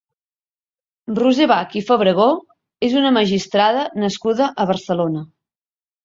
Roser Bach i Fabregó és una magistrada nascuda a Barcelona.